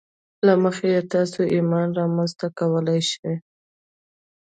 له مخې یې تاسې ایمان رامنځته کولای شئ